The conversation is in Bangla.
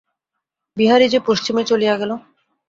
বিহারী যে পশ্চিমে চলিয়া গেল।